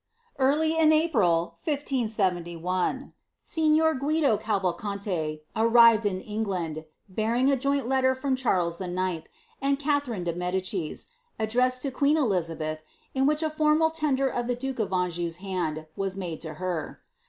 Early in April, 1571, signor Guido Cavalcanti arrived in England, baring a joint letter from Charles IX., and Catherine de Medicis, ad dressed to queen Elinbeth, in which a formal tender of the duke of Anjou's hand was made to her.